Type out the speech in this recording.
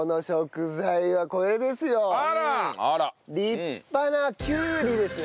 立派なきゅうりですね。